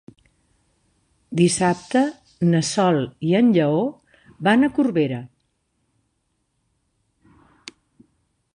Dissabte na Sol i en Lleó van a Corbera.